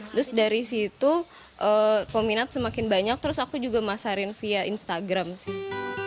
terus dari situ peminat semakin banyak terus aku juga masarin via instagram sih